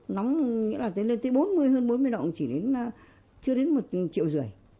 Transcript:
nóng nghĩa là tới bốn mươi hơn bốn mươi độ chỉ đến chưa đến một triệu rưỡi